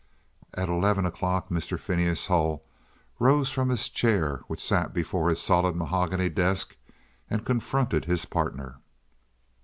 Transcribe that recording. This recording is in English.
At eleven o'clock Mr. Phineas Hull rose from the chair which sat before his solid mahogany desk, and confronted his partner.